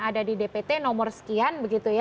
ada di dpt nomor sekian